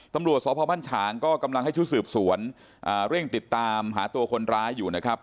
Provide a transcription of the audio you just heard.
ตำรวจสพบ้านฉางก็กำลังให้ชุดสืบสวนเร่งติดตามหาตัวคนร้ายอยู่นะครับ